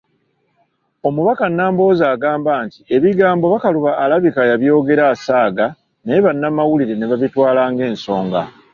Omubaka Nambooze agamba nti ebigambo Bakaluba alabika yabyogedde asaaga naye bannamawulire ne babitwala ng'ensonga.